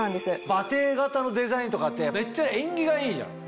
馬蹄形のデザインとかってめっちゃ縁起がいいじゃん。